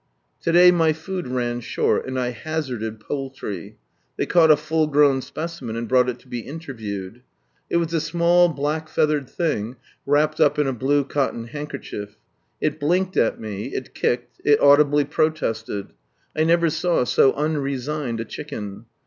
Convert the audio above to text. To day my food ran short, and I hazarded I>ouUry. Tliey caught a full grown specimen, and brought it to be interviewed. It was a small black feathered thing, wrapped up in a blue cotton handkerchief. It blinked at me, it kicked, it audibly protested. I never saw so unresigned a chicken.